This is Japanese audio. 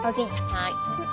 はい。